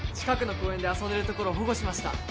近くの公園で遊んでるところを保護しました。